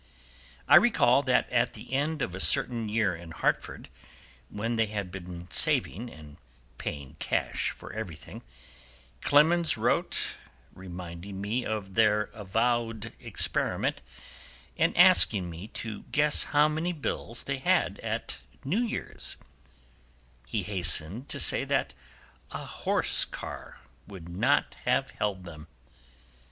I recall that at the end of a certain year in Hartford, when they had been saving and paying cash for everything, Clemens wrote, reminding me of their avowed experiment, and asking me to guess how many bills they had at New Year's; he hastened to say that a horse car would not have held them.